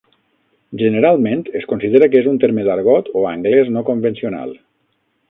Generalment es considera que és un terme d'argot o anglès no convencional.